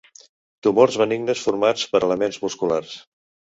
Tumors benignes formats per elements musculars.